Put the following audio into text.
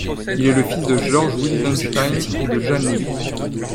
Il est le fils de Georges Wildenstein et de Jane Levi.